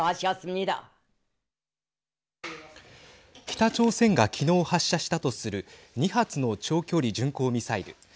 北朝鮮が昨日発射したとする２発の長距離巡航ミサイル。